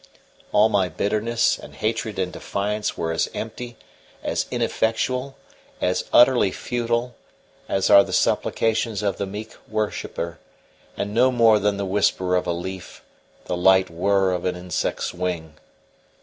All my bitterness and hatred and defiance were as empty, as ineffectual, as utterly futile, as are the supplications of the meek worshipper, and no more than the whisper of a leaf, the light whirr of an insect's wing.